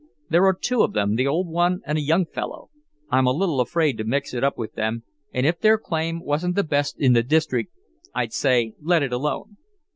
There are two of them, the old one and a young fellow. I'm a little afraid to mix it up with them, and if their claim wasn't the best in the district, I'd say let it alone."